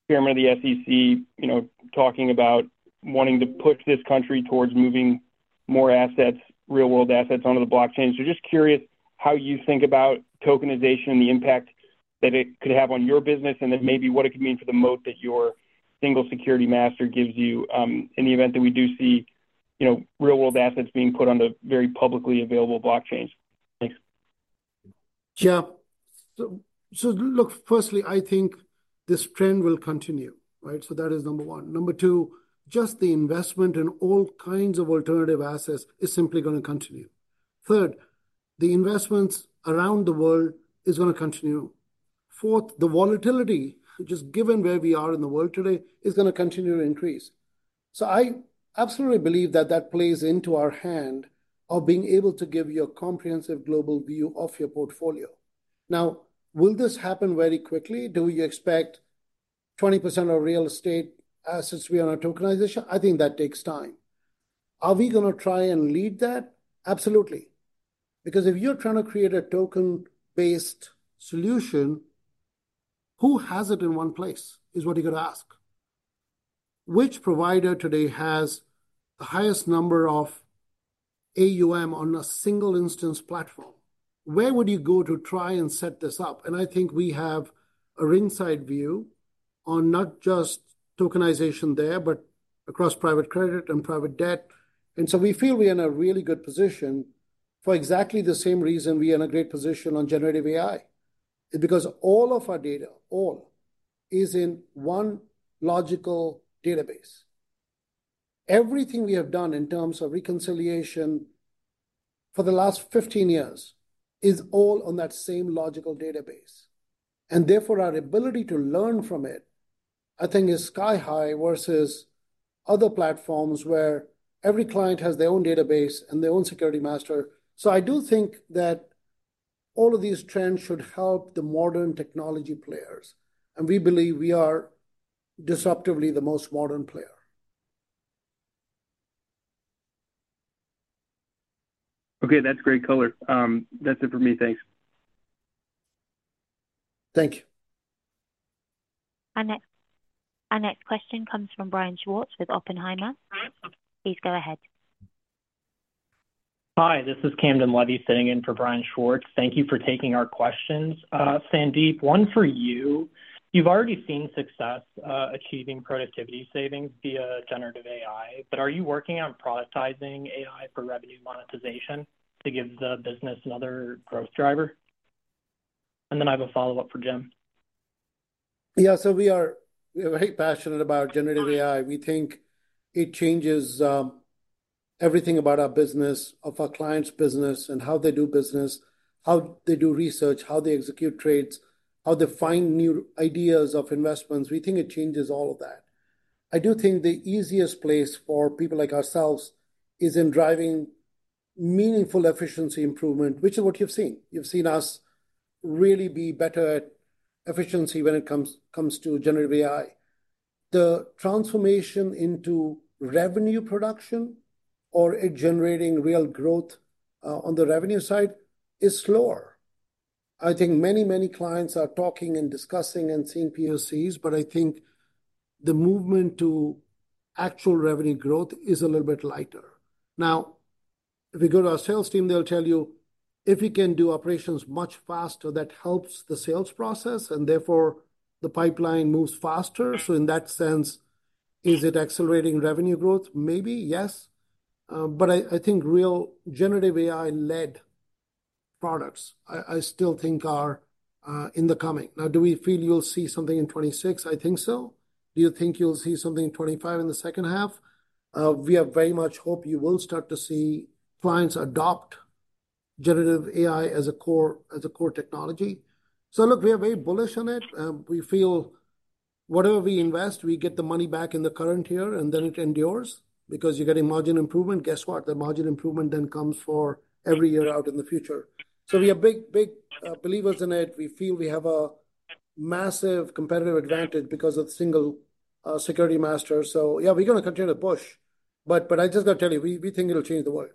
Chairman of the SEC talking about wanting to push this country towards moving more real-world assets onto the blockchain. Just curious how you think about tokenization and the impact that it could have on your business, and then maybe what it could mean for the moat that your single security master gives you, in the event that we do see real-world assets being put onto very publicly available blockchains. Thanks. Yeah. Look, firstly, I think this trend will continue, right? That is number one. Number two, just the investment in all kinds of alternative assets is simply going to continue. Third, the investments around the world are going to continue. Fourth, the volatility, just given where we are in the world today, is going to continue to increase. I absolutely believe that that plays into our hand, of being able to give you a comprehensive global view of your portfolio. Now, will this happen very quickly? Do we expect 20% of real estate assets to be on our tokenization? I think that takes time. Are we going to try and lead that? Absolutely. If you're trying to create a token-based solution, who has it in one place? is what you're going to ask. Which provider today has the highest number of AUM on a single-instance platform? Where would you go to try and set this up? I think we have a ringside view on not just tokenization there, but across private credit and private debt. We feel we are in a really good position for exactly the same reason we are in a great position on generative AI. It's because all of our data, all, is in one logical database. Everything we have done in terms of reconciliation for the last 15 years is all on that same logical database. Therefore, our ability to learn from it I think is sky-high, versus other platforms where every client has their own database and their own security master. I do think that all of these trends should help the modern technology players. We believe we are disruptively the most modern player. Okay, that's great color. That's it for me. Thanks. Thank you. Our next question comes from Brian Schwartz with Oppenheimer. Please go ahead. Hi, this is Camden Levy sitting in for Brian Schwartz. Thank you for taking our questions. Sandeep, one for you. You've already seen success achieving productivity savings via generative AI, but are you working on productizing AI for revenue monetization to give the business another growth driver? I have a follow-up for Jim. Yeah, we are very passionate about generative AI. We think it changes everything about our business, our clients' business and how they do business, how they do research, how they execute trades, how they find new ideas of investments. We think it changes all of that. I do think the easiest place for people like ourselves is in driving meaningful efficiency improvement, which is what you've seen. You've seen us really be better at efficiency when it comes to generative AI. The transformation into revenue production or generating real growth on the revenue side is slower. I think many, many clients are talking, and discussing and seeing POCs, but I think the movement to actual revenue growth is a little bit lighter. Now, if we go to our sales team, they'll tell you, if you can do operations much faster, that helps the sales process and therefore the pipeline moves faster. In that sense, is it accelerating revenue growth? Maybe, yes. I think real generative AI-led products I still think are in the coming. Now, do we feel you'll see something in 2026? I think so. Do you think you'll see something in 2025 in the second half? We very much hope you will start to see clients adopt generative AI as a core technology. Look, we are very bullish on it. We feel, whatever we invest, we get the money back in the current year, and then it endures because you're getting margin improvement. Guess what? The margin improvement then comes for every year out in the future. We are big believers in it. We feel we have a massive competitive advantage because of the single security master. Yeah, we're going to continue to push. I just got to tell you, we think it'll change the world.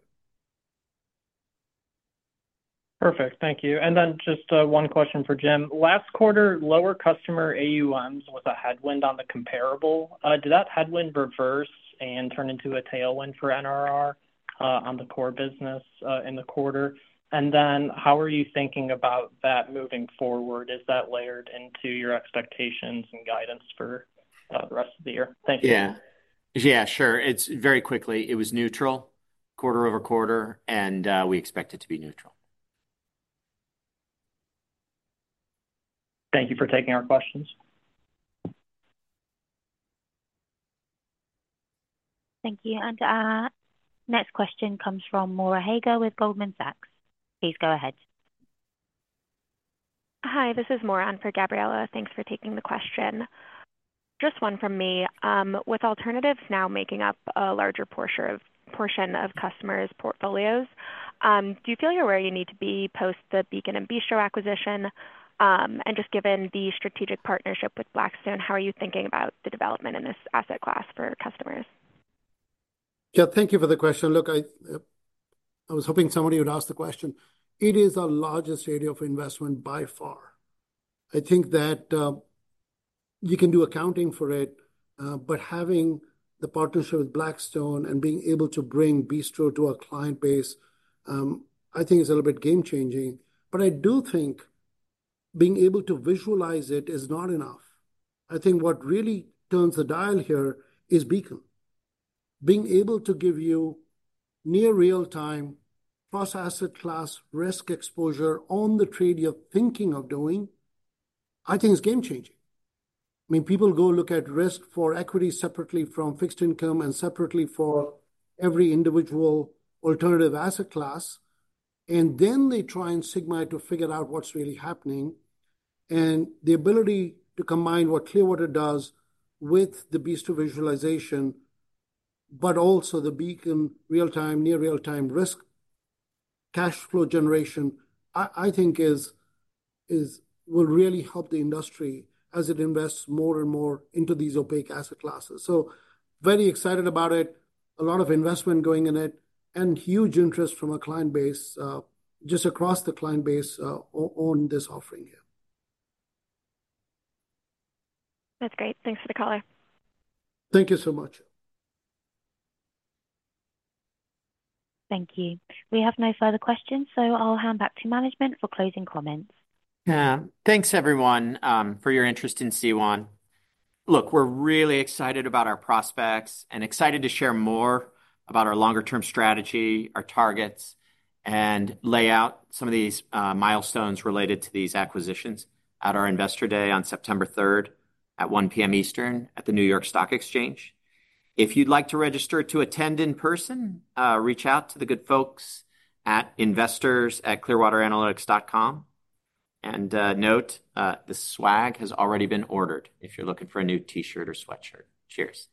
Perfect. Thank you. Just one question for Jim. Last quarter, lower customer AUMs were a headwind on the comparable. Did that headwind reverse and turn into a tailwind for NRR on the core business in the quarter? How are you thinking about that moving forward? Is that layered into your expectations and guidance for the rest of the year? Thank you. Yeah, sure. Very quickly, it was neutral quarter-over-quarter and we expect it to be neutral. Thank you for taking our questions. Thank you. Our next question comes from Maura Hager with Goldman Sachs. Please go ahead. Hi, this is Maura in for Gabriella. Thanks for taking the question. Just one from me. With alternatives now making up a larger portion of customers' portfolios, do you feel you're where you need to be post the Beacon and Bistro acquisition? Just given the strategic partnership with Blackstone, how are you thinking about the development in this asset class for customers? Yeah, thank you for the question. Look, I was hoping somebody would ask the question. It is our largest area of investment by far. I think that you can do accounting for it, but having the partnership with Blackstone and being able to bring Bistro to our client base, I think is a little bit game-changing. I do think being able to visualize it is not enough. I think what really turns the dial here is Beacon. Being able to give you near real-time cross-asset class risk exposure on the trade you're thinking of doing, I think is game-changing. People go look at risk for equity separately from fixed income and separately for every individual alternative asset class, and then they try and [sigma] to figure out what's really happening. The ability to combine what Clearwater does with the Bistro visualization, but also the Beacon real-time, near real-time risk cash flow generation, I think will really help the industry as it invests more and more into these opaque asset classes. Very excited about it. A lot of investment going in it, and huge interest from our client base just across the client base on this offering here. That's great. Thanks for the color. Thank you so much. Thank you. We have no further questions, so I'll hand back to management for closing comments. Yeah, thanks everyone for your interest in C1. Look, we're really excited about our prospects and excited to share more about our longer-term strategy, our targets, and lay out some of these milestones related to these acquisitions at our Investor Day on September 3rd at 1:00 P.M. Eastern, at the New York Stock Exchange. If you'd like to register to attend in person, reach out to the good folks at investors@clearwateranalytics.com. Note, the swag has already been ordered if you're looking for a new t-shirt or sweatshirt. Cheers.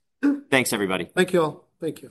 Thanks, everybody. Thank you, all. Thank you.